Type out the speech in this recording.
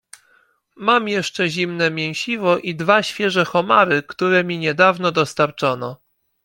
"Mam jeszcze zimne mięsiwo i dwa świeże homary, które mi niedawno dostarczono."